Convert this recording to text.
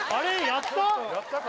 やったか？